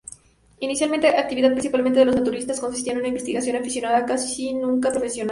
Inicialmente, actividad principal de los naturalistas consistía en una investigación aficionada, casi nunca profesional.